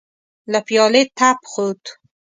له پيالې تپ خوت.